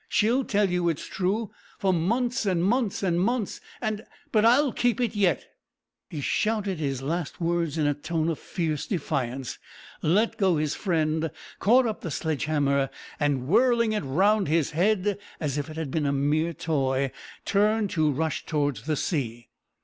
She'll tell you it's true for months, and months, and months, and but I'll keep it yet!" He shouted his last words in a tone of fierce defiance, let go his friend, caught up the sledge hammer, and, whirling it round his head as if it had been a mere toy, turned to rush towards the sea.